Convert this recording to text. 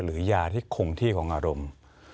หรือยาที่คงที่ของอารมณ์